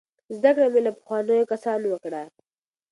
زده کړه مې له پخوانیو کسانو وکړه.